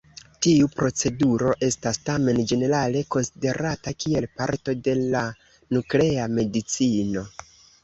Tiu proceduro estas tamen ĝenerale konsiderata kiel parto de la Nuklea Medicino.